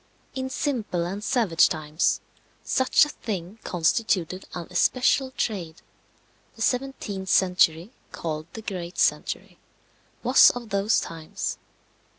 In simple and savage times such a thing constituted an especial trade. The 17th century, called the great century, was of those times.